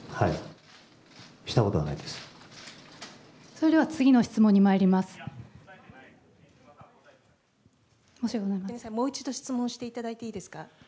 それでは次の質問にまいりますみません、もう一度質問していただいていいですか。